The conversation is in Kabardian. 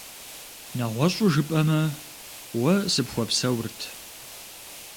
НэгъуэщӀу жыпӀэмэ, уэ сыпхуэпсэурт…